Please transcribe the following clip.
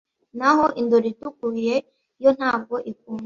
n’aho indoro itukuye yo ntago ikunzwe